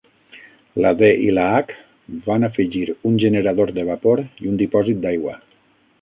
La D i la H van afegir un generador de vapor i un dipòsit d'aigua.